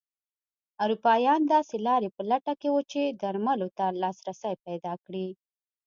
اروپایان داسې لارې په لټه کې وو چې درملو ته لاسرسی پیدا کړي.